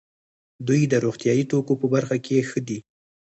دوی د روغتیايي توکو په برخه کې ښه دي.